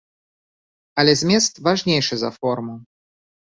Але змест важнейшы за форму.